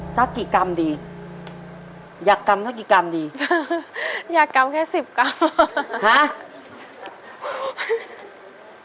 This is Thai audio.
สักกี่กรัมดีอยากกำสักกี่กรัมดีอยากกำแค่สิบกรัมฮะ